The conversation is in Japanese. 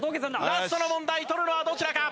ラストの問題取るのはどちらか？